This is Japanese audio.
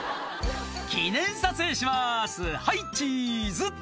「記念撮影しますはいチーズ」